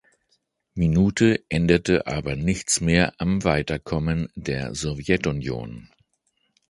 Minute änderte aber nichts mehr am Weiterkommen der Sowjetunion.